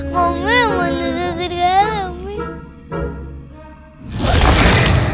mami emang manusia serigala mami